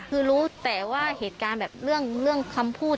คือรู้แต่ว่าเหตุการณ์แบบเรื่องคำพูด